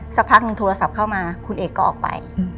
สักพักหนึ่งโทรศัพท์เข้ามาคุณเอกก็ออกไป